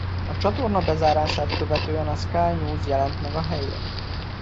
A csatorna bezárását követően a Sky News jelent meg a helyén.